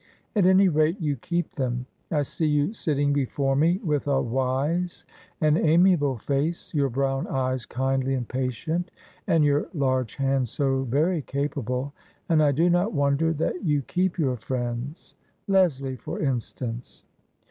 At any rate, you keep them. I see you sitting before me with a wise and amia ble face, your brown eyes kindly and patient, and your large hands so very capable, and I do not wonder that you keep your friends. Leslie, for instance."